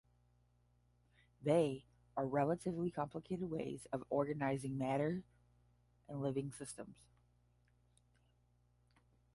They are relatively complicated ways of organizing matter and living systems.